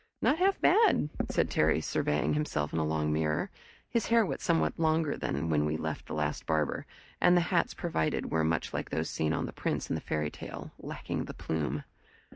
"Not half bad," said Terry, surveying himself in a long mirror. His hair was somewhat longer than when we left the last barber, and the hats provided were much like those seen on the prince in the fairy tale, lacking the plume.